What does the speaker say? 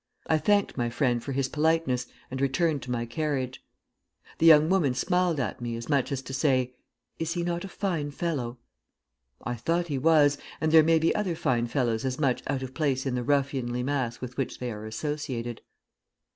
I thanked my friend for his politeness, and returned to my carriage. The young woman smiled at me, as much as to say: 'Is he not a fine fellow?' I thought he was; and there may be other fine fellows as much out of place in the ruffianly mass with which they are associated.